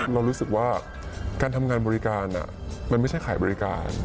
เรารู้สึกว่าการทำงานบริการมันไม่ใช่ขายบริการ